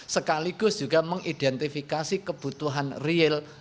sekaligus juga mengidentifikasi kebutuhan real